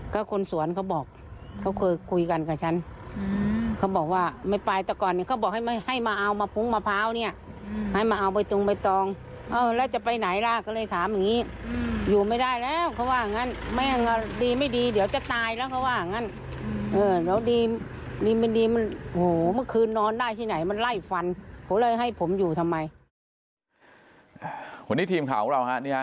ก็คนสวนเขาบอกเขาเคยคุยกันกับฉันเขาบอกว่าไม่ไปแต่ก่อนเขาบอกให้มาเอามาพุงมะพร้าวเนี่ยให้มาเอาไปตรงไปตรองเอ้าแล้วจะไปไหนล่ะก็เลยถามอย่างงี้อยู่ไม่ได้แล้วเขาว่าอย่างงั้นไม่อย่างงั้นดีไม่ดีเดี๋ยวจะตายแล้วเขาว่าอย่างงั้นเออแล้วดีไม่ดีมันโหเมื่อคืนนอนได้ที่ไหนมันไล่ฟันเขาเลยให้ผมอยู่ทำไม